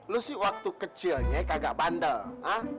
lo sih waktu kecilnya kagak bandel ha